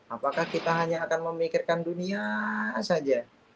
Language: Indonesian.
apakah kita hanya akan memikirkan dunia saja